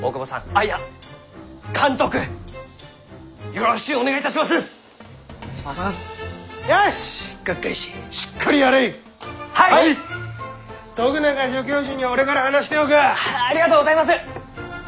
ありがとうございます！